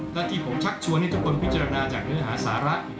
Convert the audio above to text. และที่ผมชักชวนให้ทุกคนพิจารณาจากเนื้อหาสาระ